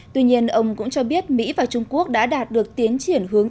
tuy nhiên ông cũng cho biết mỹ và trung quốc đã đạt được tiến triển hướng